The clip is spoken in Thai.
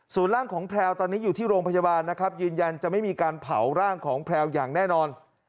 ส่วนร่างของแพลวตอนนี้อยู่ที่โรงพยาบาลนะครับยืนยันจะไม่มีการเผาร่างของแพลวอย่างแน่นอน